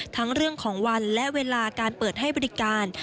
ทั้งเรื่องของวันและเวลาการเปิดให้บริการ